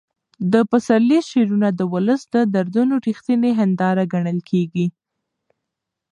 د پسرلي شعرونه د ولس د دردونو رښتینې هنداره ګڼل کېږي.